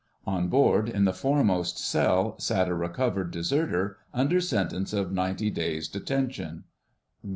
On board, in the foremost cell, sat a recovered deserter under sentence of ninety days' detention.